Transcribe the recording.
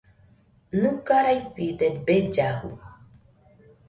Nɨga raifide bellafu.